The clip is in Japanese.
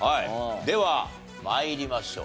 では参りましょう。